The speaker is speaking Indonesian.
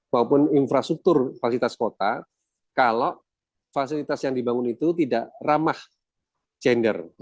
maupun infrastruktur fasilitas kota kalau fasilitas yang dibangun itu tidak ramah gender